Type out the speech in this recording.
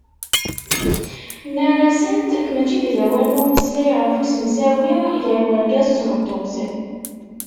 Nnan-asent mačči d lawan n umeslay ɣef usemsawi gar urgaz d tmeṭṭut.